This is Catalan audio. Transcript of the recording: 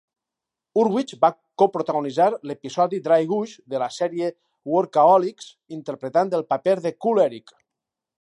Hurwitz va coprotagonitzar l'episodi "Dry Guys" de la sèrie "Workaholics", interpretant el paper de "Cool Eric".